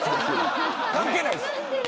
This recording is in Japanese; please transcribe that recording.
関係ないです。